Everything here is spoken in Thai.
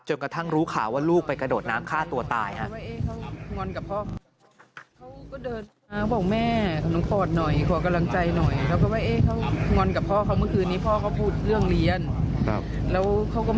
กระทั่งรู้ข่าวว่าลูกไปกระโดดน้ำฆ่าตัวตายครับ